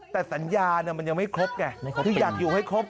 แต่สัญญามันยังไม่ครบไงคืออยากอยู่ให้ครบ